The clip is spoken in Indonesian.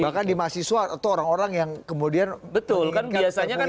bahkan di mahasiswa atau orang orang yang kemudian menginginkan perpu ini keluar